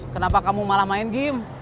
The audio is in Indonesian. kenapa kamu malah main game